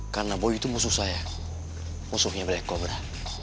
karena boy itu musuh saya musuhnya black cobra